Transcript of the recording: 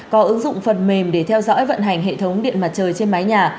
có ứng dụng phần mềm để theo dõi vận hành hệ thống điện mặt trời trên mái nhà